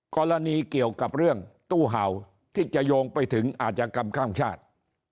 กรณีเกี่ยวกับเรื่องตู้เห่าที่จะโยงไปถึงอาจกรรมข้ามชาติ